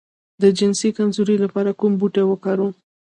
د جنسي کمزوری لپاره کوم بوټی وکاروم؟